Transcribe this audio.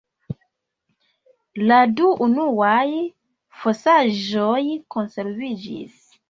La du unuaj fosaĵoj konserviĝis.